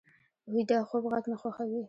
ویده خوب غږ نه خوښوي